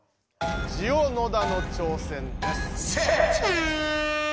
ジオ野田の挑戦です。